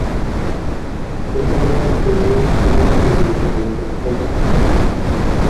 এছাড়া তিনি সদর যুবলীগের একজন সদস্য।